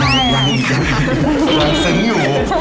ยังซึ้งอยู่